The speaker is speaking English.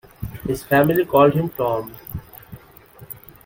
His family called him Tom.